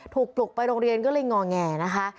ปลุกไปโรงเรียนก็เลยงอแงนะคะ